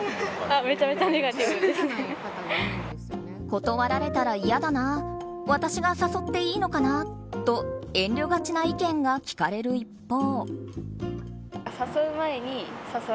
断られたら嫌だな私が誘っていいのかなと遠慮がちな意見が聞かれる一方。